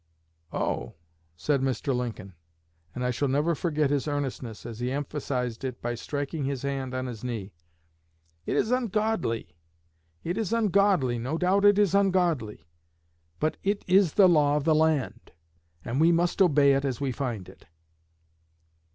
'Oh,' said Mr. Lincoln, and I shall never forget his earnestness as he emphasized it by striking his hand on his knee, 'it is ungodly! it is ungodly! no doubt it is ungodly! but it is the law of the land, and we must obey it as we find it.'